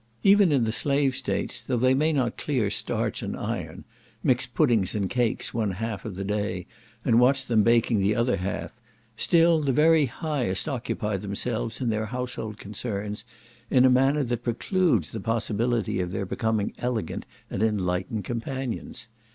Even in the slave states, though they may not clear starch and iron, mix puddings and cakes one half of the day, and watch them baking the other half, still the very highest occupy themselves in their household concerns, in a manner that precludes the possibility of their becoming elegant and enlightened companions.